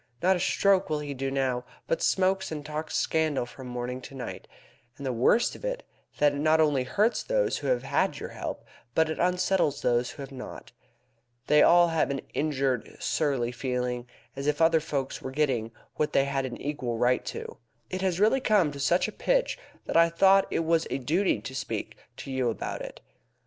Not a stroke will he do now, but smokes and talks scandal from morning to night. And the worst of it is, that it not only hurts those who have had your help, but it unsettles those who have not. They all have an injured, surly feeling as if other folk were getting what they had an equal right to. It has really come to such a pitch that I thought it was a duty to speak to you about it.